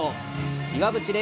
岩渕麗